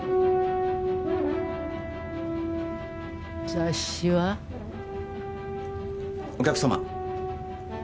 雑誌は？お客さま。